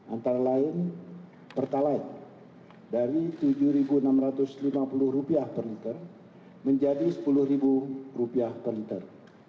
antara lain pertalite dari rp tujuh enam ratus lima puluh per liter menjadi rp sepuluh per liter